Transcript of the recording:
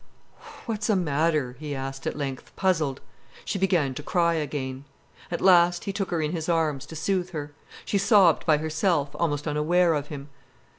"What's a matter?" he asked at length, puzzled. She began to cry again. At last he took her in his arms, to soothe her. She sobbed by herself, almost unaware of him.